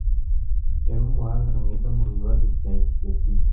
Yari umuhanga mwiza mu bibazo bya Etiyopiya.